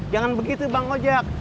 jangan begitu bang ojak